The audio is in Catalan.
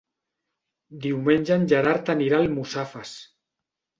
Diumenge en Gerard anirà a Almussafes.